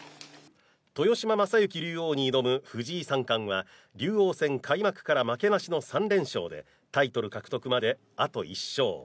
豊島将之竜王に挑む藤井三冠は竜王戦開幕から負けなしの３連勝でタイトル獲得まであと１勝。